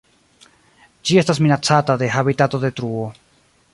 Ĝi estas minacata de habitatodetruo.